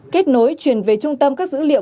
kết nối truyền về trung tâm các dữ liệu